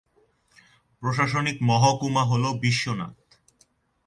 প্রশাসনিক মহকুমা হ'ল বিশ্বনাথ।